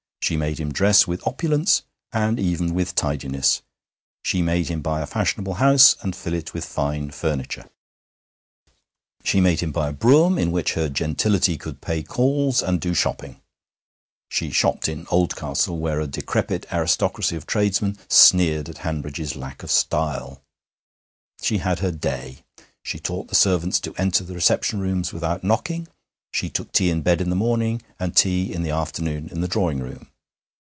She made him dress with opulence, and even with tidiness; she made him buy a fashionable house and fill it with fine furniture; she made him buy a brougham in which her gentility could pay calls and do shopping (she shopped in Oldcastle, where a decrepit aristocracy of tradesmen sneered at Hanbridge's lack of style); she had her 'day'; she taught the servants to enter the reception rooms without knocking; she took tea in bed in the morning, and tea in the afternoon in the drawing room.